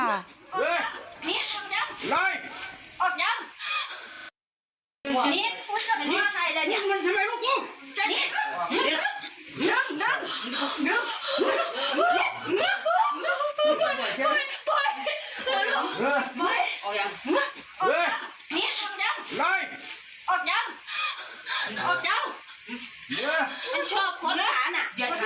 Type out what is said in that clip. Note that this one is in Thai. อ้าวเจ็บอ๋อเจ็บอ๋อ